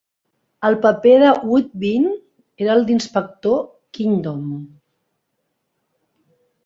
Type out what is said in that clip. El paper de Woodvine era el d'inspector Kingdom.